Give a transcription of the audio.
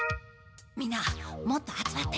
みんなもっと集まって。